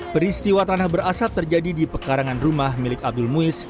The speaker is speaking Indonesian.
peristiwa tanah berasap terjadi di pekarangan rumah milik abdul muiz